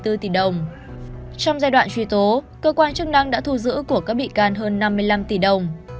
trong giai đoạn truy tố cơ quan chức năng đã thu giữ của các bị can hơn năm mươi năm tỷ đồng